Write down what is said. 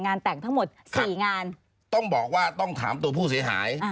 แต่งทั้งหมดสี่งานต้องบอกว่าต้องถามตัวผู้เสียหาย